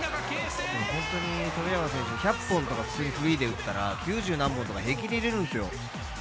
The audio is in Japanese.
富永選手、１００本とかフリーで打ったら９０何本とか平気で入れるんですよ。